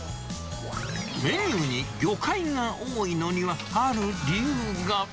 メニューに魚介が多いのには、ある理由が。